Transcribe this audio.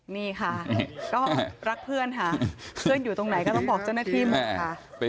นี่ค่ะก็รักเพื่อนค่ะเพื่อนอยู่ตรงไหนก็ต้องบอกเจ้าหน้าที่หมดค่ะ